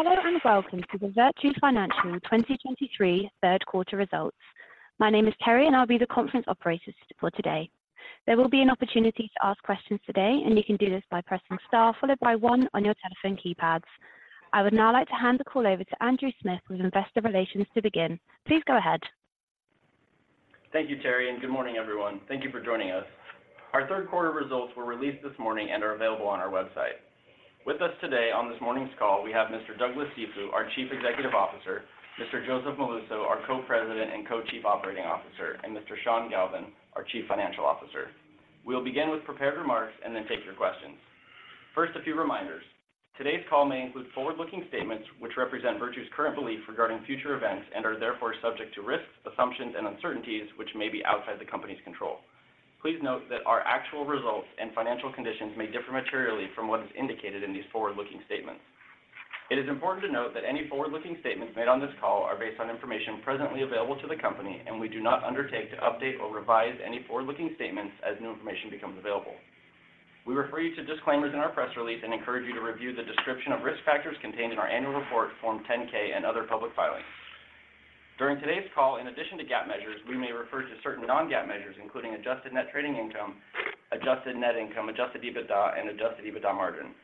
Hello, and welcome to the Virtu Financial 2023 Third Quarter Results. My name is Terry, and I'll be the conference operator for today. There will be an opportunity to ask questions today, and you can do this by pressing star followed by one on your telephone keypads. I would now like to hand the call over to Andrew Smith, with Investor Relations to begin. Please go ahead. Thank you, Terry, and good morning, everyone. Thank you for joining us. Our third quarter results were released this morning and are available on our website. With us today on this morning's call, we have Mr. Douglas Cifu, our Chief Executive Officer, Mr. Joseph Molluso, our Co-President and Co-Chief Operating Officer, and Mr. Sean Galvin, our Chief Financial Officer. We'll begin with prepared remarks and then take your questions. First, a few reminders. Today's call may include forward-looking statements, which represent Virtu's current belief regarding future events and are therefore subject to risks, assumptions, and uncertainties, which may be outside the company's control. Please note that our actual results and financial conditions may differ materially from what is indicated in these forward-looking statements. It is important to note that any forward-looking statements made on this call are based on information presently available to the company, and we do not undertake to update or revise any forward-looking statements as new information becomes available. We refer you to disclaimers in our press release and encourage you to review the description of risk factors contained in our annual report, Form 10-K and other public filings. During today's call, in addition to GAAP measures, we may refer to certain non-GAAP measures, including Adjusted Net Trading Income, Adjusted Net Income, Adjusted EBITDA, and Adjusted EBITDA Margin.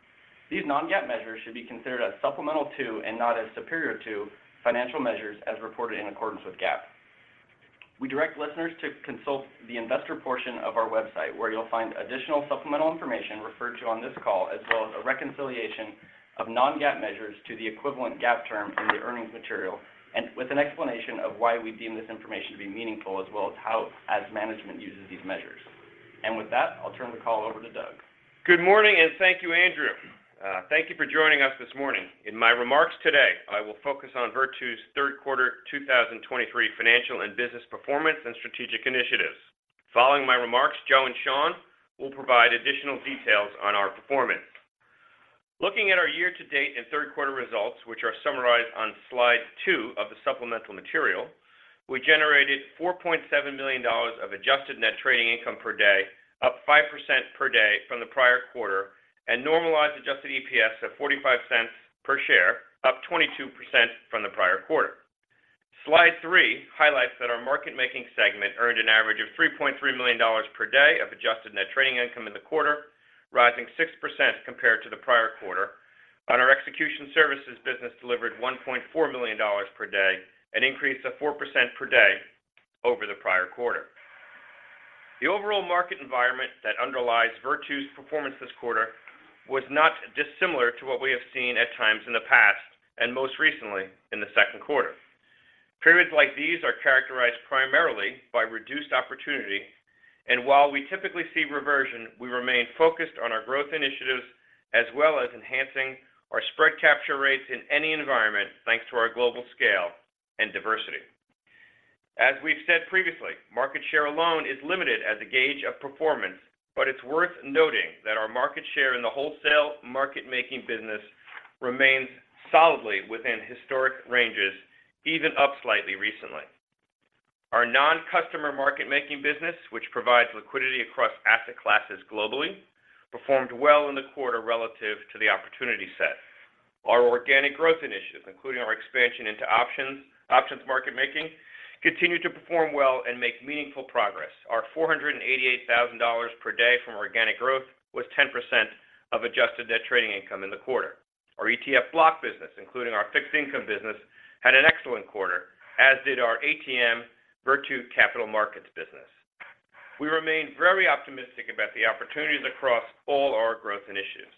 These non-GAAP measures should be considered as supplemental to, and not as superior to, financial measures as reported in accordance with GAAP. We direct listeners to consult the investor portion of our website, where you'll find additional supplemental information referred to on this call, as well as a reconciliation of non-GAAP measures to the equivalent GAAP term in the earnings material, and with an explanation of why we deem this information to be meaningful, as well as how as management uses these measures. With that, I'll turn the call over to Doug. Good morning, and thank you, Andrew. Thank you for joining us this morning. In my remarks today, I will focus on Virtu's third quarter, 2023 financial and business performance and strategic initiatives. Following my remarks, Joe and Sean will provide additional details on our performance. Looking at our year-to-date and third quarter results, which are summarized on slide two of the supplemental material, we generated $4.7 million of Adjusted Net Trading Income per day, up 5% per day from the prior quarter, and Normalized Adjusted EPS of $0.45 per share, up 22% from the prior quarter. Slide three highlights that our Market Making segment earned an average of $3.3 million per day of Adjusted Net Trading Income in the quarter, rising 6% compared to the prior quarter, and our Execution Services business delivered $1.4 million per day, an increase of 4% per day over the prior quarter. The overall market environment that underlies Virtu's performance this quarter was not dissimilar to what we have seen at times in the past, and most recently in the second quarter. Periods like these are characterized primarily by reduced opportunity, and while we typically see reversion, we remain focused on our growth initiatives as well as enhancing our spread capture rates in any environment, thanks to our global scale and diversity. As we've said previously, market share alone is limited as a gauge of performance, but it's worth noting that our market share in the wholesale Market Making business remains solidly within historic ranges, even up slightly recently. Our non-customer Market Making business, which provides liquidity across asset classes globally, performed well in the quarter relative to the opportunity set. Our organic growth initiatives, including our expansion into options, Options Market Making, continue to perform well and make meaningful progress. Our $488,000 per day from organic growth was 10% of Adjusted net trading income in the quarter. Our ETF Block business, including our fixed income business, had an excellent quarter, as did our ATM Virtu Capital Markets business. We remain very optimistic about the opportunities across all our growth initiatives.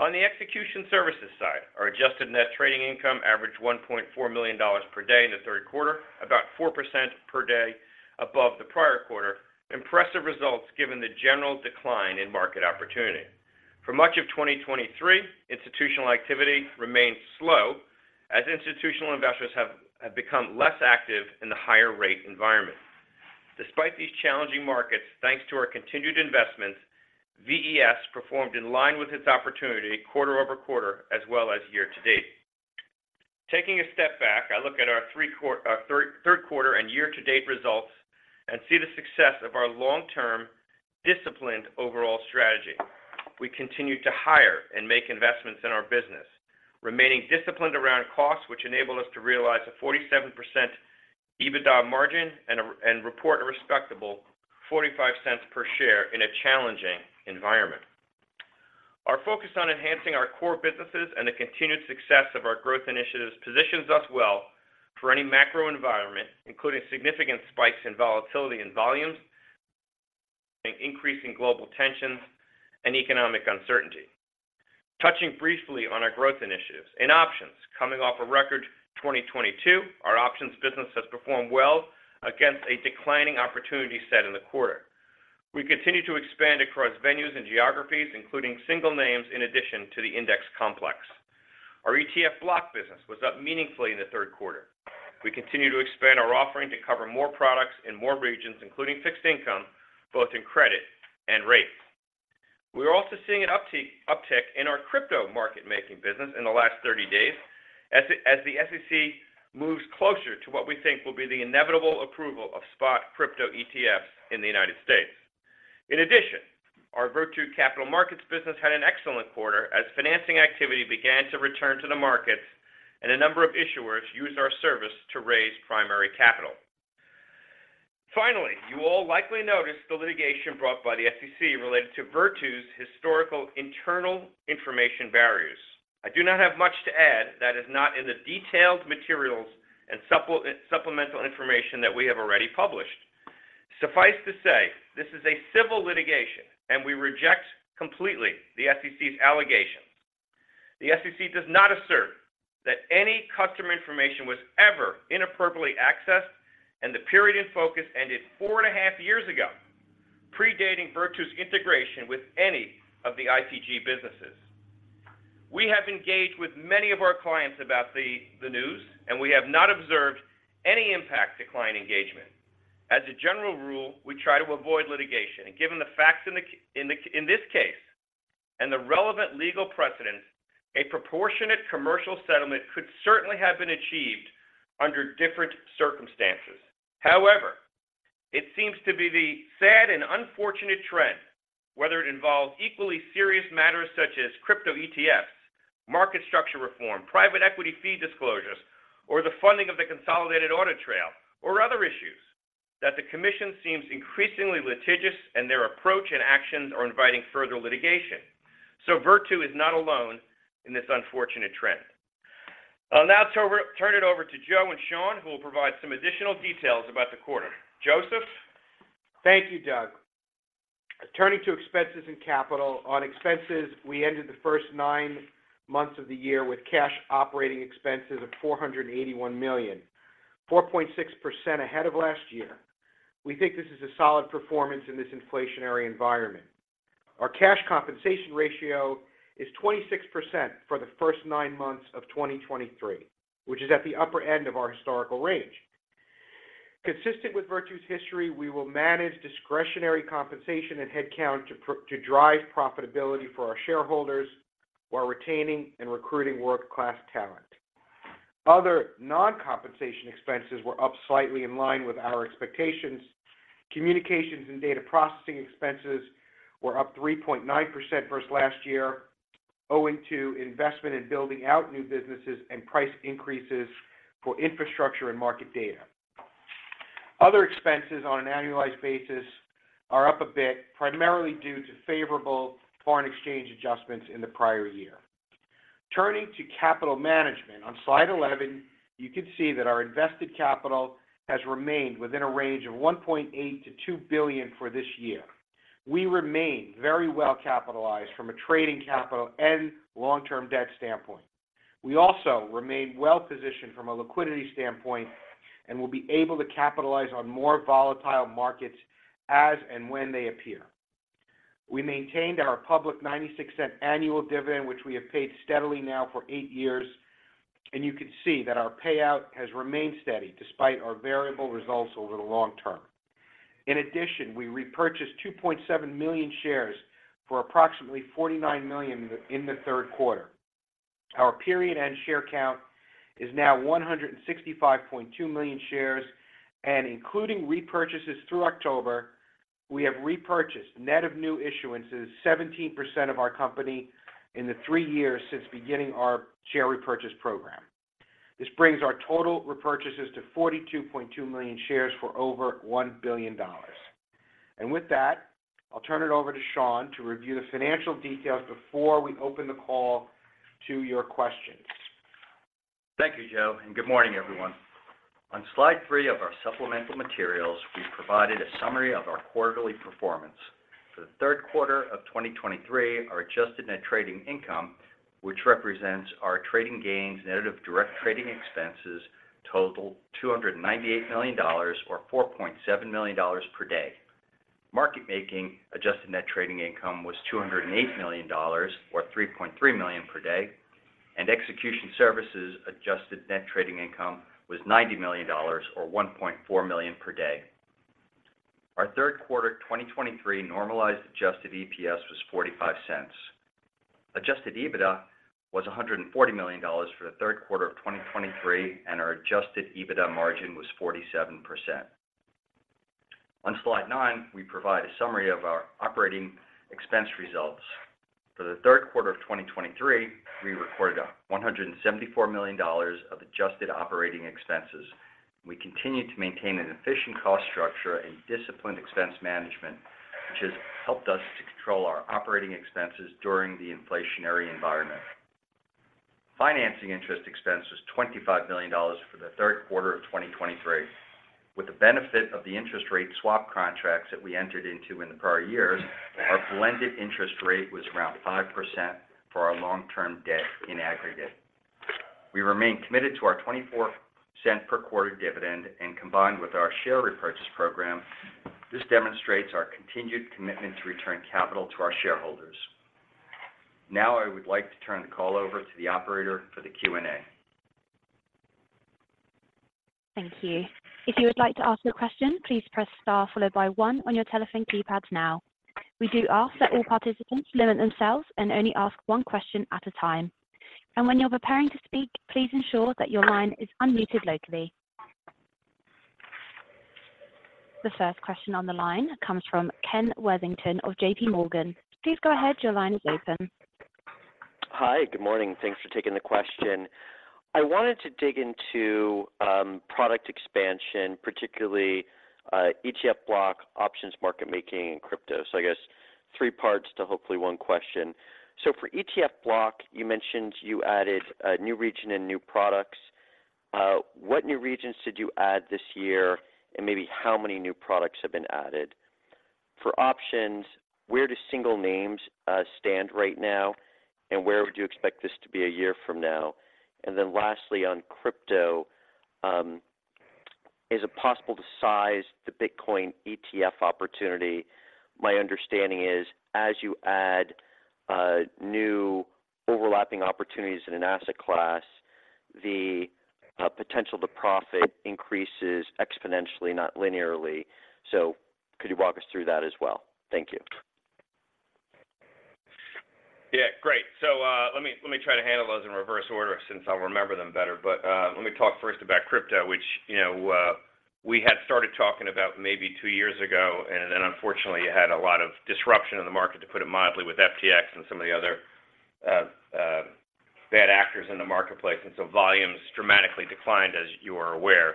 On the Execution Services side, our Adjusted Net Trading Income averaged $1.4 million per day in the third quarter, about 4% per day above the prior quarter. Impressive results, given the general decline in market opportunity. For much of 2023, institutional activity remained slow as institutional investors have become less active in the higher rate environment. Despite these challenging markets, thanks to our continued investments, VES performed in line with its opportunity quarter-over-quarter as well as year-to-date. Taking a step back, I look at our third quarter and year-to-date results and see the success of our long-term, disciplined overall strategy. We continued to hire and make investments in our business, remaining disciplined around costs which enabled us to realize a 47% EBITDA margin and report a respectable $0.45 per share in a challenging environment. Our focus on enhancing our core businesses and the continued success of our growth initiatives positions us well for any macro environment, including significant spikes in volatility and volumes, an increase in global tensions, and economic uncertainty. Touching briefly on our growth initiatives. In options, coming off a record 2022, our options business has performed well against a declining opportunity set in the quarter. We continue to expand across venues and geographies, including single names in addition to the index complex. Our ETF Block business was up meaningfully in the third quarter. We continue to expand our offering to cover more products in more regions, including fixed income, both in credit and rates. We are also seeing an uptick in our Crypto Market Making business in the last 30 days as the SEC moves closer to what we think will be the inevitable approval of spot crypto ETFs in the United States. In addition, our Virtu Capital Markets business had an excellent quarter, as financing activity began to return to the market, and a number of issuers used our service to raise primary capital. Finally, you all likely noticed the litigation brought by the SEC related to Virtu's historical internal information barriers. I do not have much to add that is not in the detailed materials and supplemental information that we have already published. Suffice to say, this is a civil litigation, and we reject completely the SEC's allegations. The SEC does not assert that any customer information was ever inappropriately accessed, and the period in focus ended four and a half years ago, predating Virtu's integration with any of the ITG businesses. We have engaged with many of our clients about the news, and we have not observed any impact to client engagement. As a general rule, we try to avoid litigation, and given the facts in this case, and the relevant legal precedents, a proportionate commercial settlement could certainly have been achieved under different circumstances. However, it seems to be the sad and unfortunate trend, whether it involves equally serious matters such as crypto ETFs, market structure reform, private equity fee disclosures, or the funding of the Consolidated Audit Trail, or other issues, that the commission seems increasingly litigious, and their approach and actions are inviting further litigation. So Virtu is not alone in this unfortunate trend. I'll now turn it over to Joe and Sean, who will provide some additional details about the quarter. Joseph? Thank you, Doug. Turning to expenses and capital. On expenses, we ended the first nine months of the year with Cash Operating Expenses of $481 million, 4.6% ahead of last year. We think this is a solid performance in this inflationary environment. Our cash compensation ratio is 26% for the first nine months of 2023, which is at the upper end of our historical range. Consistent with Virtu's history, we will manage discretionary compensation and headcount to drive profitability for our shareholders while retaining and recruiting world-class talent. Other non-compensation expenses were up slightly in line with our expectations. Communications and data processing expenses were up 3.9% versus last year, owing to investment in building out new businesses and price increases for infrastructure and market data. Other expenses on an annualized basis are up a bit, primarily due to favorable foreign exchange adjustments in the prior year. Turning to capital management, on slide 11, you can see that our invested capital has remained within a range of $1.8 billion-$2 billion for this year. We remain very well capitalized from a trading capital and long-term debt standpoint. We also remain well-positioned from a liquidity standpoint and will be able to capitalize on more volatile markets as and when they appear. We maintained our public $0.96 annual dividend, which we have paid steadily now for eight years, and you can see that our payout has remained steady despite our variable results over the long term. In addition, we repurchased 2.7 million shares for approximately $49 million in the third quarter. Our period-end share count is now 165.2 million shares, and including repurchases through October, we have repurchased, net of new issuances, 17% of our company in the three years since beginning our share repurchase program. This brings our total repurchases to 42.2 million shares for over $1 billion. With that, I'll turn it over to Sean to review the financial details before we open the call to your questions. Thank you, Joe, and good morning, everyone. On slide three of our supplemental materials, we've provided a summary of our quarterly performance. For the third quarter of 2023, our Adjusted Net Trading Income, which represents our trading gains, net of direct trading expenses, totaled $298 million or $4.7 million per day. Market Making Adjusted Net Trading Income was $208 million or $3.3 million per day, and Execution Services Adjusted Net Trading Income was $90 million or $1.4 million per day. Our third quarter, 2023 Normalized Adjusted EPS was $0.45. Adjusted EBITDA was $140 million for the third quarter of 2023, and our Adjusted EBITDA margin was 47%. On slide nine, we provide a summary of our operating expense results. For the third quarter of 2023, we recorded $174 million of Adjusted Operating Expenses. We continued to maintain an efficient cost structure and disciplined expense management, which has helped us to control our operating expenses during the inflationary environment. Financing interest expense was $25 million for the third quarter of 2023. With the benefit of the interest rate swap contracts that we entered into in the prior years, our blended interest rate was around 5% for our long-term debt in aggregate. We remain committed to our $0.24 per quarter dividend, and combined with our share repurchase program, this demonstrates our continued commitment to return capital to our shareholders. Now, I would like to turn the call over to the operator for the Q&A. Thank you. If you would like to ask a question, please press star followed by one on your telephone keypad now. We do ask that all participants limit themselves and only ask one question at a time. When you're preparing to speak, please ensure that your line is unmuted locally. The first question on the line comes from Ken Worthington of J.P. Morgan. Please go ahead. Your line is open. Hi, good morning. Thanks for taking the question. I wanted to dig into product expansion, particularly ETF Block, options, market making, and crypto. So I guess three parts to hopefully one question. So for ETF Block, you mentioned you added a new region and new products. What new regions did you add this year? And maybe how many new products have been added? For options, where do single names stand right now, and where would you expect this to be a year from now? And then lastly, on crypto, is it possible to size the Bitcoin ETF opportunity? My understanding is as you add new overlapping opportunities in an asset class, the potential to profit increases exponentially, not linearly. So could you walk us through that as well? Thank you. Yeah, great. So, let me try to handle those in reverse order since I'll remember them better. But, let me talk first about crypto, which, you know, we had started talking about maybe two years ago, and then unfortunately, you had a lot of disruption in the market, to put it mildly, with FTX and some of the other bad actors in the marketplace, and so volumes dramatically declined, as you are aware.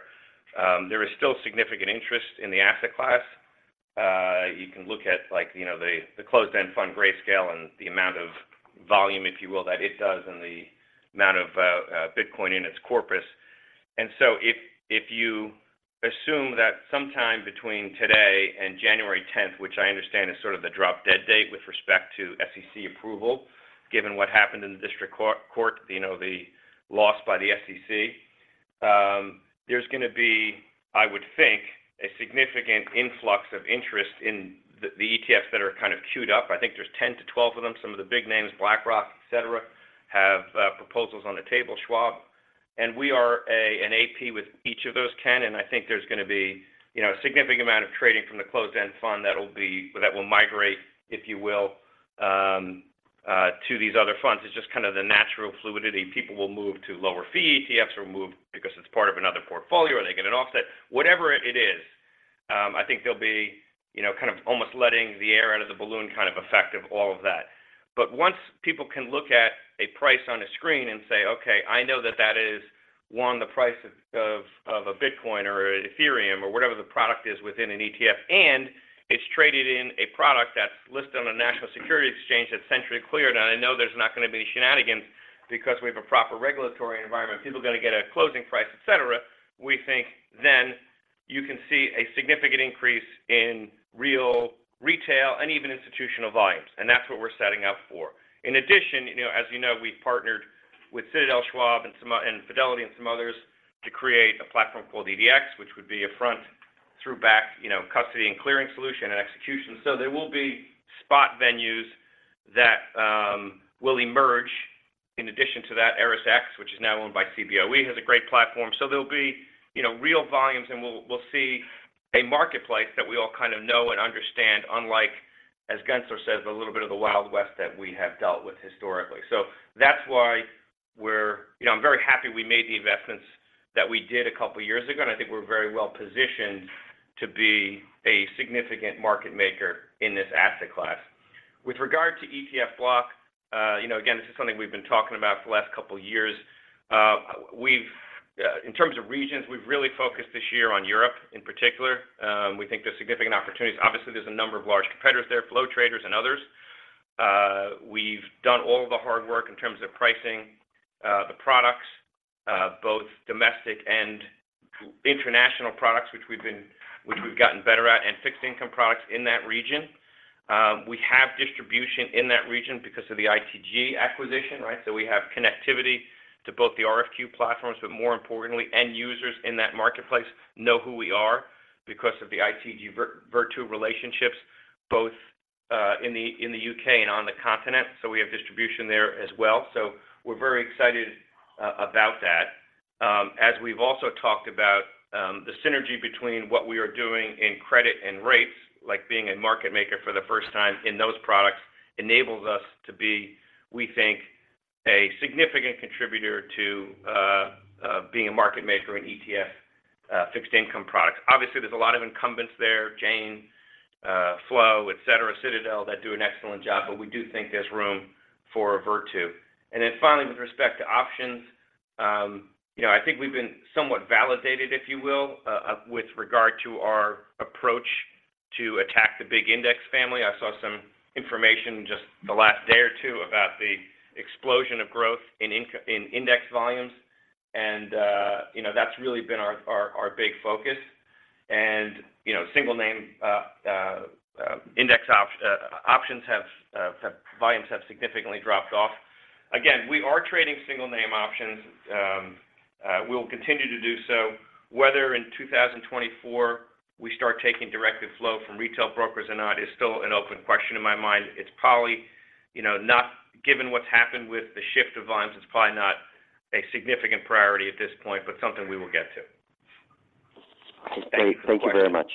There is still significant interest in the asset class. You can look at, like, you know, the closed-end fund Grayscale and the amount of volume, if you will, that it does and the amount of Bitcoin in its corpus. And so if you assume that sometime between today and January tenth, which I understand is sort of the drop-dead date with respect to SEC approval, given what happened in the District Court, you know, the loss by the SEC, there's gonna be, I would think, a significant influx of interest in the ETFs that are kind of queued up. I think there's 10-12 of them. Some of the big names, BlackRock, et cetera, have proposals on the table, Schwab, and we are an AP with each of those, Ken, and I think there's gonna be, you know, a significant amount of trading from the closed-end fund that will be that will migrate, if you will, to these other funds. It's just kind of the natural fluidity. People will move to lower fee. ETFs will move because it's part of another portfolio, or they get an offset, whatever it is. I think there'll be, you know, kind of almost letting the air out of the balloon kind of effect of all of that. But once people can look at a price on a screen and say, "Okay, I know that that is, one, the price of a Bitcoin or Ethereum or whatever the product is within an ETF, and it's traded in a product that's listed on a national securities exchange that's centrally cleared, and I know there's not gonna be any shenanigans because we have a proper regulatory environment. People are gonna get a closing price, et cetera." We think then you can see a significant increase in real retail and even institutional volumes, and that's what we're setting up for. In addition, you know, as you know, we've partnered with Citadel, Schwab, and some, and Fidelity and some others to create a platform called EDX, which would be a front through back, you know, custody and clearing solution and execution. So there will be spot venues that will emerge in addition to that, ErisX, which is now owned by Cboe, has a great platform. So there'll be, you know, real volumes, and we'll see a marketplace that we all kind of know and understand, unlike, as Gensler says, a little bit of the Wild West that we have dealt with historically. So that's why we're... You know, I'm very happy we made the investments that we did a couple of years ago, and I think we're very well-positioned to be a significant market maker in this asset class. With regard to ETF Block, you know, again, this is something we've been talking about for the last couple of years. We've, in terms of regions, we've really focused this year on Europe in particular. We think there's significant opportunities. Obviously, there's a number of large competitors there, Flow Traders and others. We've done all the hard work in terms of pricing, the products, both domestic and international products, which we've gotten better at, and fixed income products in that region. We have distribution in that region because of the ITG acquisition, right? So we have connectivity to both the RFQ platforms, but more importantly, end users in that marketplace know who we are because of the ITG, Virtu relationships, both in the U.K. and on the continent. So we have distribution there as well. So we're very excited about that. As we've also talked about, the synergy between what we are doing in credit and rates, like being a maker for the first time in those products, enables us to be, we think, a significant contributor to being a market maker in ETF fixed income products. Obviously, there's a lot of incumbents there, Jane, Flow, et cetera, Citadel, that do an excellent job, but we do think there's room for Virtu. And then finally, with respect to options, you know, I think we've been somewhat validated, if you will, with regard to our approach to attack the big index family. I saw some information just the last day or two about the explosion of growth in index volumes, and you know, that's really been our big focus. You know, single name index options volumes have significantly dropped off. Again, we are trading single name options. We'll continue to do so. Whether in 2024, we start taking directive flow from retail brokers or not, is still an open question in my mind. It's probably, you know, not... Given what's happened with the shift of volumes, it's probably not a significant priority at this point, but something we will get to. Thank you very much....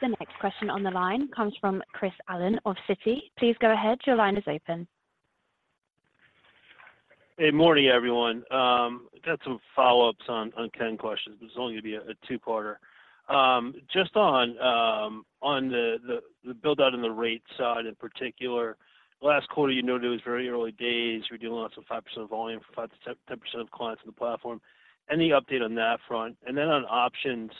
The next question on the line comes from Chris Allen of Citi. Please go ahead. Your line is open. Hey, morning, everyone. I've got some follow-ups on Ken questions. This is only going to be a two-parter. Just on the build-out and the rate side in particular, last quarter, you noted it was very early days. You were dealing with some 5% of volume, 5%-10% of clients on the platform. Any update on that front? And then on options,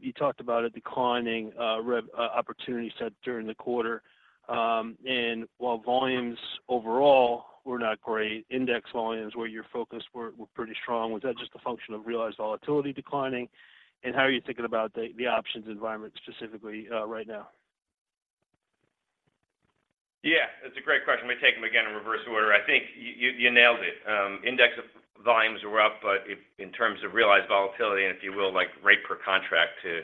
you talked about a declining opportunity set during the quarter. And while volumes overall were not great, index volumes where your focus were pretty strong. Was that just a function of realized volatility declining? And how are you thinking about the options environment specifically right now? Yeah, that's a great question. Let me take them again in reverse order. I think you nailed it. Index volumes were up, but in terms of realized volatility, and if you will, like, rate per contract to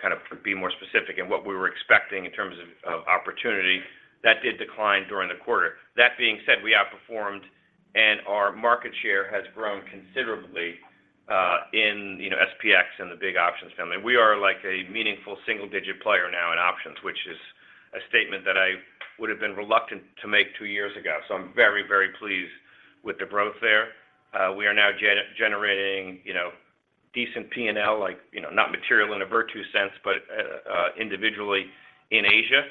kind of be more specific in what we were expecting in terms of opportunity, that did decline during the quarter. That being said, we outperformed, and our market share has grown considerably in SPX and the big options family. We are like a meaningful single-digit player now in options, which is a statement that I would have been reluctant to make two years ago. So I'm very, very pleased with the growth there. We are now generating, you know, decent P&L, like, you know, not material in a Virtu sense, but individually in Asia,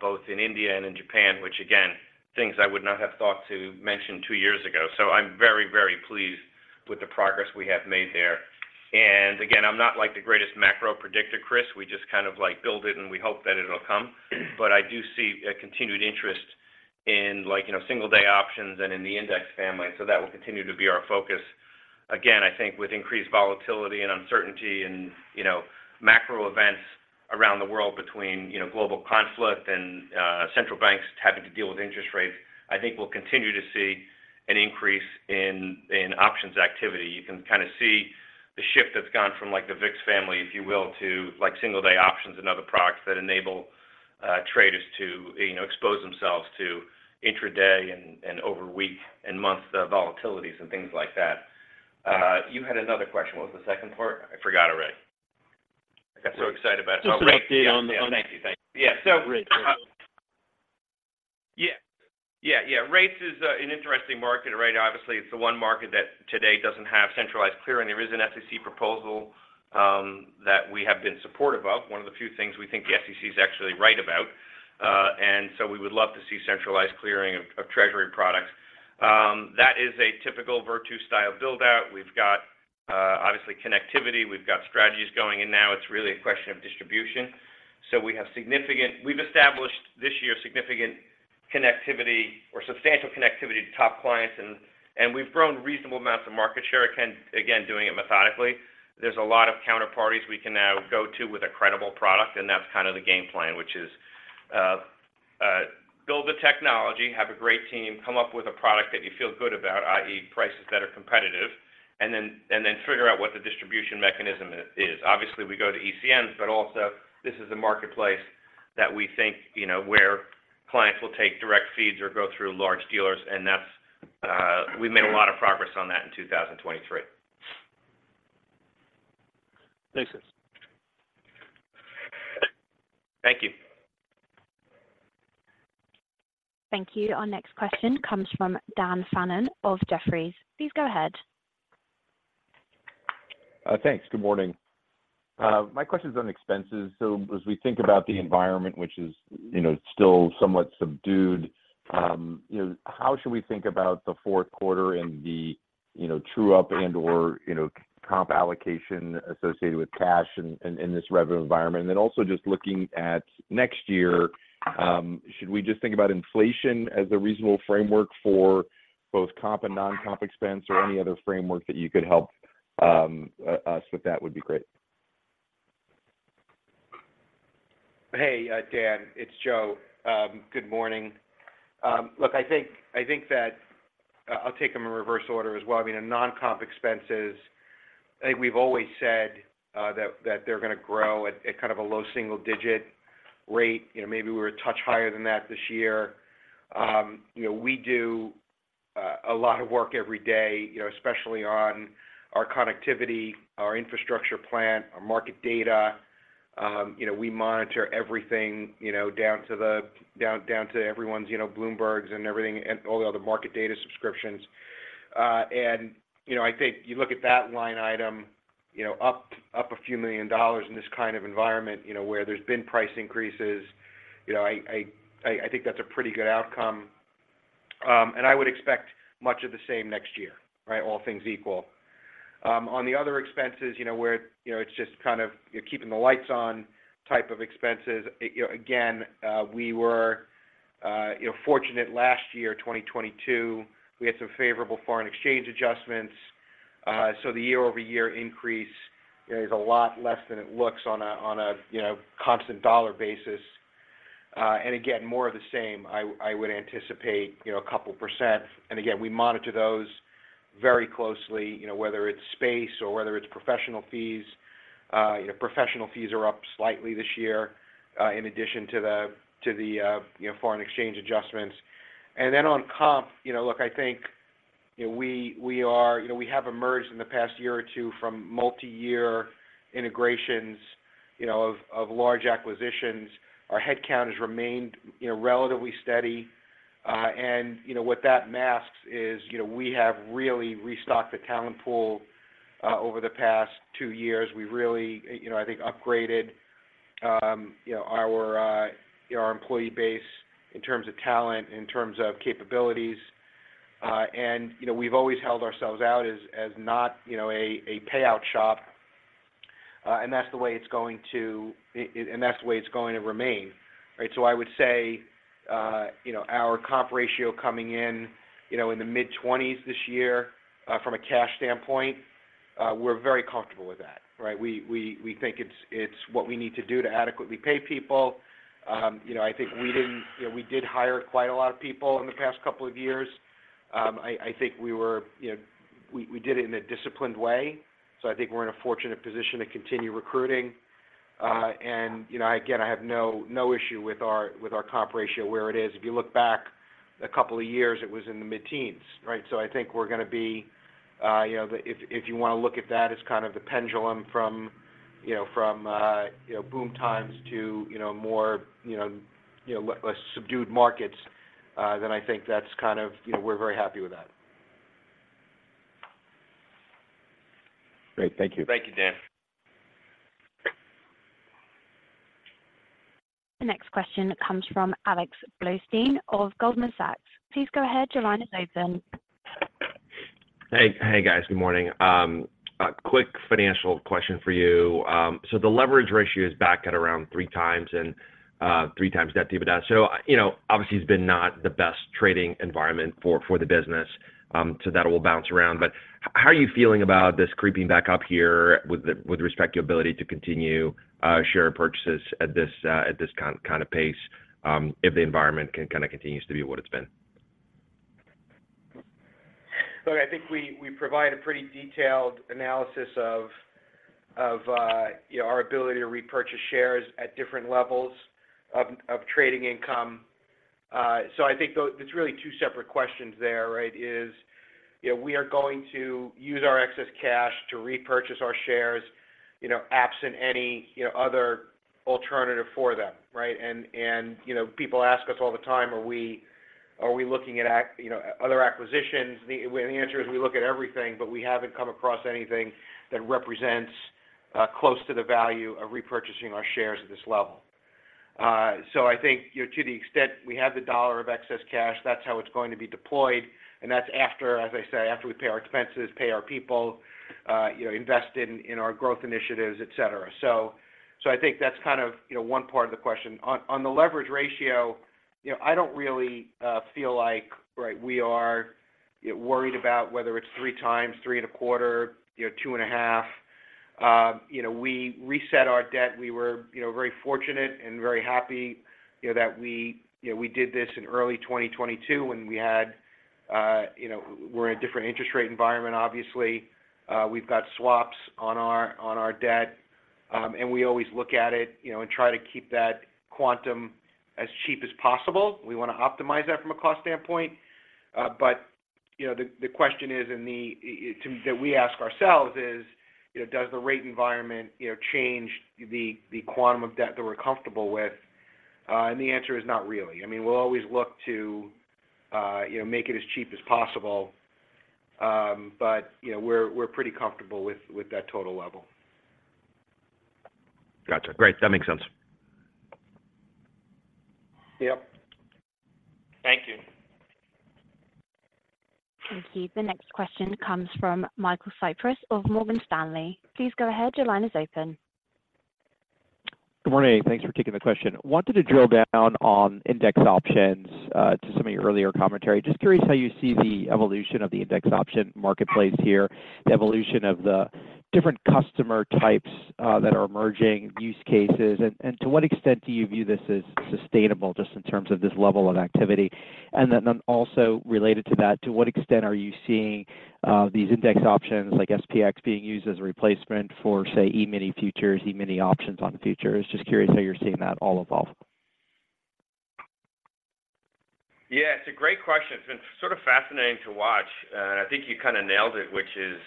both in India and in Japan, which again, things I would not have thought to mention two years ago. So I'm very, very pleased with the progress we have made there. And again, I'm not, like, the greatest macro predictor, Chris. We just kind of, like, build it and we hope that it'll come. But I do see a continued interest in, like, you know, single-day options and in the index family, so that will continue to be our focus. Again, I think with increased volatility and uncertainty and, you know, macro events around the world between, you know, global conflict and central banks having to deal with interest rates, I think we'll continue to see an increase in options activity. You can kind of see the shift that's gone from, like, the VIX family, if you will, to, like, single-day options and other products that enable traders to, you know, expose themselves to intra-day and over week and month volatilities and things like that. You had another question. What was the second part? I forgot already. I got so excited about it. Just an update on the- Thank you. Thank you. Yeah, so- Great. Yeah. Yeah, yeah, rates is an interesting market, right? Obviously, it's the one market that today doesn't have centralized clearing. There is an SEC proposal that we have been supportive of, one of the few things we think the SEC is actually right about. And so we would love to see centralized clearing of Treasury products. That is a typical Virtu-style build-out. We've got, obviously, connectivity. We've got strategies going in now. It's really a question of distribution. So we have significant... We've established, this year, significant connectivity or substantial connectivity to top clients, and we've grown reasonable amounts of market share, again, doing it methodically. There's a lot of counterparties we can now go to with a credible product, and that's kind of the game plan, which is, build the technology, have a great team, come up with a product that you feel good about, i.e., prices that are competitive, and then figure out what the distribution mechanism is. Obviously, we go to ECNs, but also this is a marketplace that we think, you know, where clients will take direct feeds or go through large dealers, and that's, we've made a lot of progress on that in 2023. Thanks, Chris. Thank you. Thank you. Our next question comes from Dan Fannon of Jefferies. Please go ahead. Thanks. Good morning. My question is on expenses. So as we think about the environment, which is, you know, still somewhat subdued, you know, how should we think about the fourth quarter and the, you know, true up and, or, you know, comp allocation associated with cash in this revenue environment? And then also just looking at next year, should we just think about inflation as a reasonable framework for both comp and non-comp expense or any other framework that you could help us with that would be great. Hey, Dan, it's Joe. Good morning. Look, I think that I'll take them in reverse order as well. I mean, the non-comp expenses, I think we've always said that they're gonna grow at kind of a low single-digit rate. You know, maybe we're a touch higher than that this year. You know, we do a lot of work every day, especially on our connectivity, our infrastructure plan, our market data. You know, we monitor everything, you know, down to the—down to everyone's, you know, Bloombergs and everything, and all the other market data subscriptions. You know, I think you look at that line item, up a few million dollars in this kind of environment, where there's been price increases. You know, I think that's a pretty good outcome, and I would expect much of the same next year, right? All things equal. On the other expenses, you know, where, you know, it's just kind of you're keeping the lights on type of expenses. Again, we were, you know, fortunate last year, 2022, we had some favorable foreign exchange adjustments. So the year-over-year increase, you know, is a lot less than it looks on a, on a, you know, constant dollar basis. And again, more of the same, I would anticipate, you know, a couple percent. And again, we monitor those very closely, you know, whether it's space or whether it's professional fees. You know, professional fees are up slightly this year, in addition to the, to the, you know, foreign exchange adjustments. Then on comp, you know, I think...... You know, we are, you know, we have emerged in the past year or two from multi-year integrations, you know, of large acquisitions. Our headcount has remained, you know, relatively steady. And, you know, what that masks is, you know, we have really restocked the talent pool over the past two years. We really, you know, I think, upgraded, you know, our employee base in terms of talent, in terms of capabilities. And, you know, we've always held ourselves out as not, you know, a payout shop, and that's the way it's going to remain, right? So I would say, you know, our comp ratio coming in, you know, in the mid-20s this year, from a cash standpoint, we're very comfortable with that, right? We think it's what we need to do to adequately pay people. You know, I think we did hire quite a lot of people in the past couple of years. I think we were, you know, we did it in a disciplined way, so I think we're in a fortunate position to continue recruiting. And, you know, again, I have no issue with our comp ratio where it is. If you look back a couple of years, it was in the mid-teens, right? So I think we're gonna be, you know, if you wanna look at that as kind of the pendulum from, you know, boom times to, you know, more, you know, less subdued markets, then I think that's kind of, you know, we're very happy with that. Great. Thank you. Thank you, Dan. The next question comes from Alex Blostein of Goldman Sachs. Please go ahead, your line is open. Hey. Hey, guys. Good morning. A quick financial question for you. So the leverage ratio is back at around 3x and 3x debt to EBITDA. So, you know, obviously, it's been not the best trading environment for the business, so that will bounce around. But how are you feeling about this creeping back up here with respect to your ability to continue share purchases at this kind of pace, if the environment can kind of continues to be what it's been? Look, I think we provide a pretty detailed analysis of, you know, our ability to repurchase shares at different levels of trading income. So I think there's really two separate questions there, right? You know, we are going to use our excess cash to repurchase our shares, you know, absent any, you know, other alternative for them, right? And, you know, people ask us all the time, are we looking at, you know, other acquisitions? Well, the answer is, we look at everything, but we haven't come across anything that represents close to the value of repurchasing our shares at this level. So I think, you know, to the extent we have the dollar of excess cash, that's how it's going to be deployed, and that's after, as I say, after we pay our expenses, pay our people, you know, invest in our growth initiatives, et cetera. So I think that's kind of, you know, one part of the question. On the leverage ratio, you know, I don't really feel like, right, we are, you know, worried about whether it's 3x, 3.25x, you know, 2.5x. You know, we reset our debt. We were, you know, very fortunate and very happy, you know, that we, you know, we did this in early 2022, when we had, you know, we're in a different interest rate environment, obviously. We've got swaps on our debt, and we always look at it, you know, and try to keep that quantum as cheap as possible. We wanna optimize that from a cost standpoint. But, you know, the question is that we ask ourselves is, you know, "Does the rate environment, you know, change the quantum of debt that we're comfortable with?" And the answer is, not really. I mean, we'll always look to, you know, make it as cheap as possible. But, you know, we're pretty comfortable with that total level. Gotcha. Great. That makes sense. Yep. Thank you. Thank you. The next question comes from Michael Cyprys of Morgan Stanley. Please go ahead. Your line is open. Good morning. Thanks for taking the question. Wanted to drill down on index options to some of your earlier commentary. Just curious how you see the evolution of the index option marketplace here, the evolution of the different customer types that are emerging, use cases, and to what extent do you view this as sustainable, just in terms of this level of activity? And then also related to that, to what extent are you seeing these index options, like SPX, being used as a replacement for, say, E-mini futures, E-mini options on futures? Just curious how you're seeing that all evolve. Yeah, it's a great question. It's been sort of fascinating to watch, and I think you kinda nailed it, which is...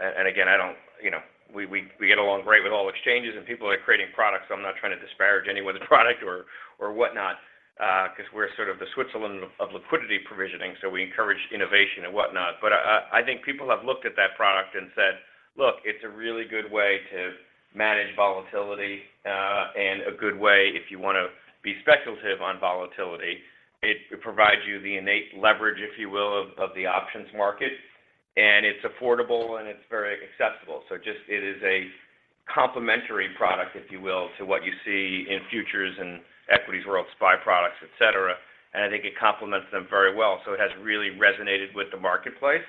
And again, I don't, you know, we get along great with all exchanges, and people are creating products, so I'm not trying to disparage anyone's product or whatnot, 'cause we're sort of the Switzerland of liquidity provisioning, so we encourage innovation and whatnot. But, I think people have looked at that product and said, "Look, it's a really good way to manage volatility, and a good way if you wanna be speculative on volatility." It provides you the innate leverage, if you will, of the options market, and it's affordable, and it's very accessible. So just... It is a complementary product, if you will, to what you see in futures and equities, or SPY products, et cetera, and I think it complements them very well. So it has really resonated with the marketplace.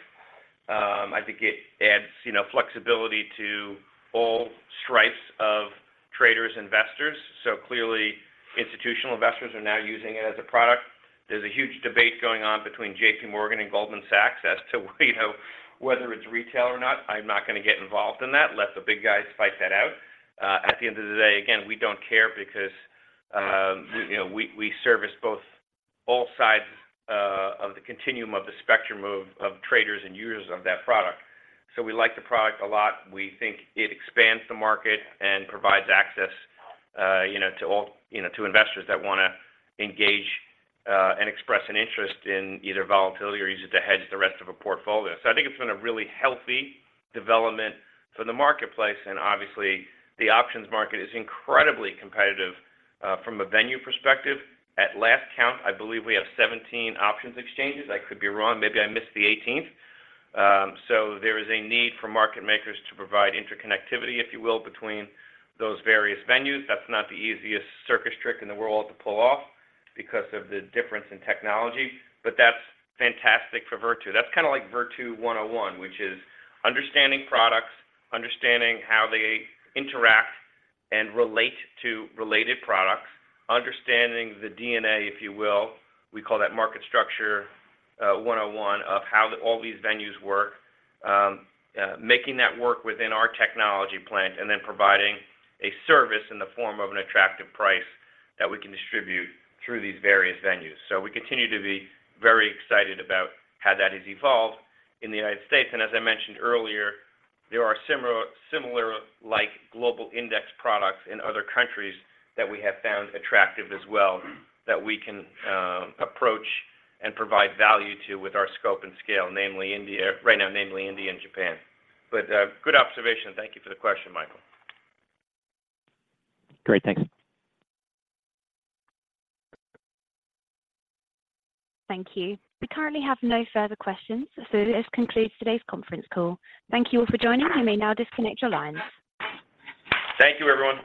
I think it adds, you know, flexibility to all stripes of traders, investors. So clearly, institutional investors are now using it as a product. There's a huge debate going on between J.P. Morgan and Goldman Sachs as to, you know, whether it's retail or not. I'm not gonna get involved in that. Let the big guys fight that out. At the end of the day, again, we don't care because- ... You know, we service both, all sides of the continuum of the spectrum of traders and users of that product. So we like the product a lot. We think it expands the market and provides access, you know, to all, you know, to investors that wanna engage and express an interest in either volatility or use it to hedge the rest of a portfolio. So I think it's been a really healthy development for the marketplace, and obviously, the options market is incredibly competitive from a venue perspective. At last count, I believe we have 17 options exchanges. I could be wrong. Maybe I missed the 18th. So there is a need for market makers to provide interconnectivity, if you will, between those various venues. That's not the easiest circus trick in the world to pull off because of the difference in technology, but that's fantastic for Virtu. That's kinda like Virtu 101, which is understanding products, understanding how they interact and relate to related products, understanding the DNA, if you will. We call that market structure, 101, of how all these venues work, making that work within our technology plant, and then providing a service in the form of an attractive price that we can distribute through these various venues. So we continue to be very excited about how that has evolved in the United States. And as I mentioned earlier, there are similar, similar, like, global index products in other countries that we have found attractive as well, that we can approach and provide value to with our scope and scale, namely India, right now, namely India and Japan. But, good observation. Thank you for the question, Michael. Great. Thanks. Thank you. We currently have no further questions, so this concludes today's conference call. Thank you all for joining. You may now disconnect your lines. Thank you, everyone.